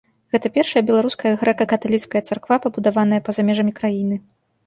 Гэта першая беларуская грэка-каталіцкая царква, пабудаваная па-за межамі краіны.